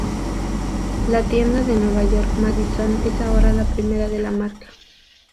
La tienda de Nueva York-Madison es ahora la primera de la marca.